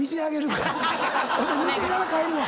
ほんで寝てから帰るわ。